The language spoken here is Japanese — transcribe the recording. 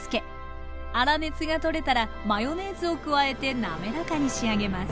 粗熱がとれたらマヨネーズを加えて滑らかに仕上げます